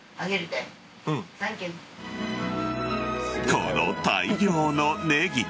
この大量のネギ。